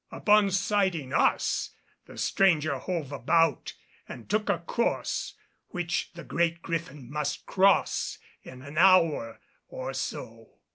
Upon sighting us the stranger hove about and took a course which the Great Griffin must cross in an hour or so.